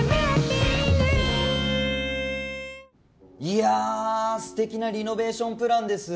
いやすてきなリノベーションプランです。